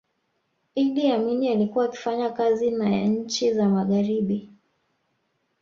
iddi amini alikuwa akifanya kazi na nchi za magharibi